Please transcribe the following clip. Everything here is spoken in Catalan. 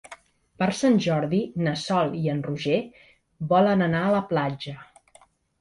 Per Sant Jordi na Sol i en Roger volen anar a la platja.